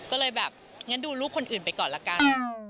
ก็เลยแบบงั้นดูรูปคนอื่นไปก่อนละกัน